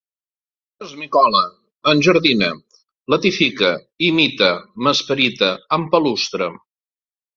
Jo esmicole, enjardine, letifique, imite, m'esperite, empalustre